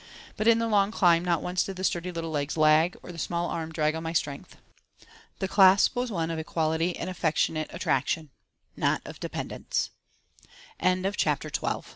But in the long climb not once did the sturdy little legs lag or the small arm drag on my strength. The clasp was one of equality and affectionate attraction, not of dependence. CHAPTER XIII THE SHORT CIRCUIT And